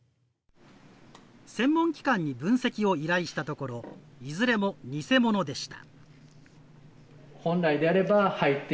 専門機関に分析を依頼したところ、いずれも偽物でした。